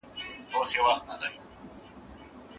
- انجینرصالح محمد آهی، شاعر.